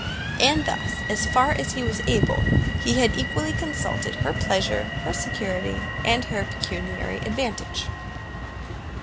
And thus, as far as he was able, he had equally consulted her pleasure, her security, and her pecuniary advantage.